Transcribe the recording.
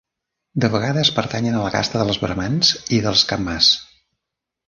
De vegades pertanyen a la casta dels Bramans i dels Kammas.